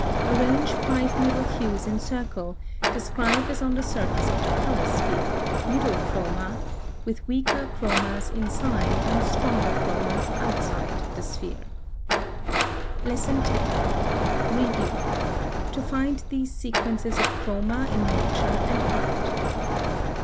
Arrange five middle hues in circle, described as on the surface of the Color Sphere (middle chroma), with weaker chromas inside, and stronger chromas outside, the sphere. 10. Review, to find these sequences of chroma in nature and art.